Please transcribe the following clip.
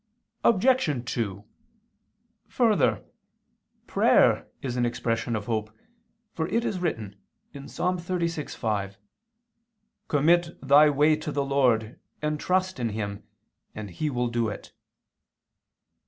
Obj. 2: Further, prayer is an expression of hope, for it is written (Ps. 36:5): "Commit thy way to the Lord, and trust in Him, and He will do it."